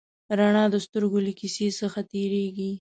رڼا د سترګو له کسي څخه تېرېږي.